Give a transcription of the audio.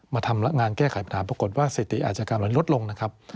มาทำงานแก้ไขปัญหาปรากฏว่าสิทธิอาจจะกลายลดลงนะครับ